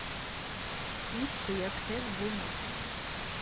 Ит һөйәкһеҙ булмай